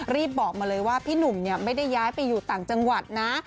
รีบบอกมาเลยว่าพี่หนุ่มไม่ได้ย้ายไปอยู่ต่างจังหวัดนะ